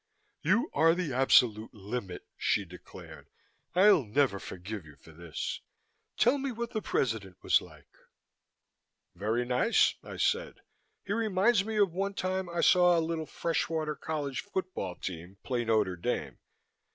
"You are the absolute limit!" she declared. "I'll never forgive you for this. Tell me, what the President was like?" "Very nice," I said. "He reminds me of one time I saw a little fresh water college football team play Notre Dame.